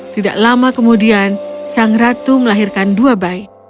tidak lama kemudian sang ratu melahirkan dua bayi